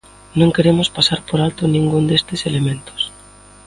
Non queremos pasar por alto ningún destes elementos.